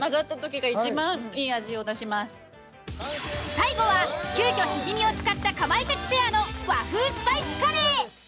最後は急遽シジミを使ったかまいたちペアの和風スパイスカレー。